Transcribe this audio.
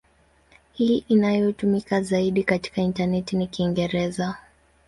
Hii inayotumika zaidi katika intaneti ni Kiingereza.